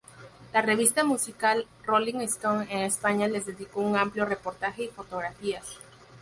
La revista musical "Rolling Stone" en España les dedicó un amplio reportaje y fotografías.